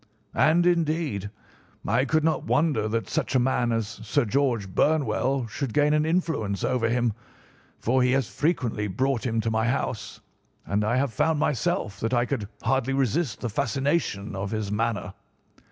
"And, indeed, I could not wonder that such a man as Sir George Burnwell should gain an influence over him, for he has frequently brought him to my house, and I have found myself that I could hardly resist the fascination of his manner.